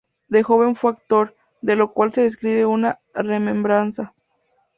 De joven fue actor, de lo cual se describe una remembranza.